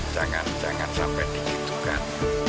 jangan sampai dikitu kan